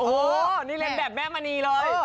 โอ้โหนี่เรียนแบบแม่มณีเลย